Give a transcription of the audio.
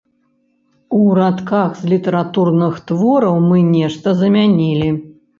У радках з літаратурных твораў мы нешта замянілі.